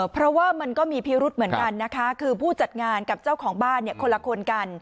เพราะว่ามันก็มีพิรุธเหมือนกันนะคะคือผู้จัดงานกับเจ้าของบ้านเนี่ยคนละคนกัน